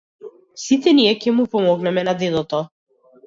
Сите ние ќе му помогнеме на дедото.